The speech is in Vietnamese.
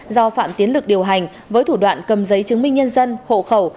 do phạm tiến lực điều hành với thủ đoạn cầm giấy chứng minh nhân dân hộ khẩu